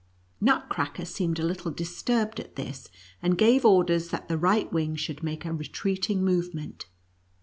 Nutcracker seemed a little disturbed at this, and gave orders that the right wing should make a retreating movement.